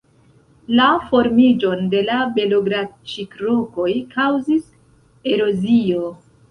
La formiĝon de la Belogradĉik-rokoj kaŭzis erozio.